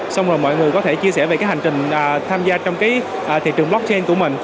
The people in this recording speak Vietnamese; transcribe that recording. xong rồi mọi người có thể chia sẻ về cái hành trình tham gia trong cái thị trường blockchain của mình